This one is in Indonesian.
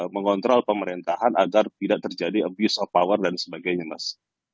mengontrol pemerintahan agar tidak terjadi abuse of power dan sebagainya mas